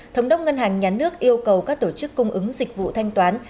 thống đốc ngân hàng nhà nước yêu cầu các tổ chức cung ứng dịch vụ thanh toán